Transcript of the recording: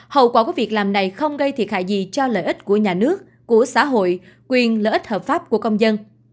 hậu quả của việc làm này không gây thiệt hại gì cho lợi ích của nhà nước của xã hội quyền lợi ích hợp pháp của công dân